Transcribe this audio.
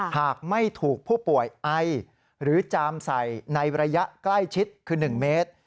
หากไม่ถูกผู้ป่วยไอหรือจามใส่ในระยะใกล้ชิดคือ๑เมตร